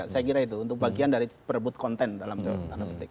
saya kira itu untuk bagian dari berebut konten dalam tanda petik